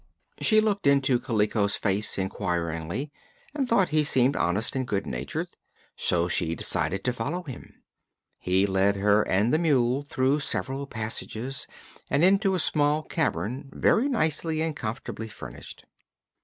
She looked into Kaliko's face inquiringly and thought he seemed honest and good natured, so she decided to follow him. He led her and the mule through several passages and into a small cavern very nicely and comfortably furnished.